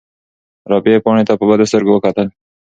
رابعې پاڼې ته په بدو سترګو وکتل.